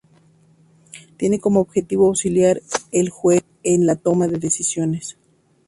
Tiene como objetivo auxiliar al juez en la toma de decisiones.